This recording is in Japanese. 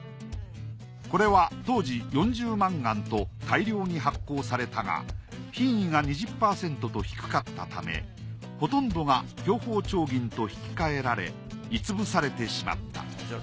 これは当時４０万貫と大量に発行されたが品位が２０％と低かったためほとんどが享保丁銀と引き換えられ鋳つぶされてしまった。